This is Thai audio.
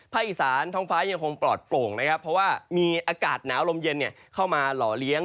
อีสานท้องฟ้ายังคงปลอดโปร่งนะครับเพราะว่ามีอากาศหนาวลมเย็นเข้ามาหล่อเลี้ยง